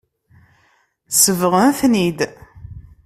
Sebɣen-ten-id.